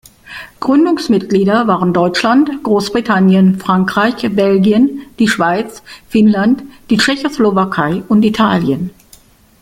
Gründungsmitglieder waren Deutschland, Großbritannien, Frankreich, Belgien, die Schweiz, Finnland, die Tschechoslowakei und Italien.